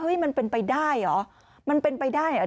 มันเป็นไปได้เหรอมันเป็นไปได้เหรอ